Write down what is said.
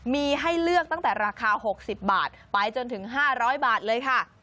มีให้เลือกตั้งแต่ราคา๖๐บาทไปจนถึง๕๐๐บาทเลยค่ะ